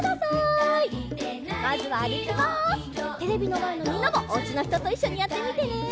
テレビのまえのみんなもおうちのひとといっしょにやってみてね！